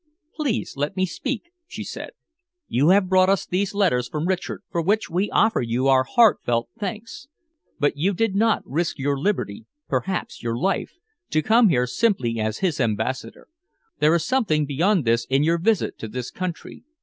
"Please let me speak," she said. "You have brought us these letters from Richard, for which we offer you our heartfelt thanks, but you did not risk your liberty, perhaps your life, to come here simply as his ambassador. There is something beyond this in your visit to this country.